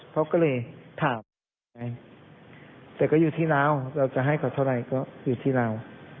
เขาก็เลยถามไงแต่ก็อยู่ที่เราเราจะให้เขาเท่าไหร่ก็อยู่ที่เรา